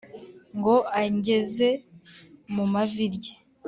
ngo angeze mumavi rye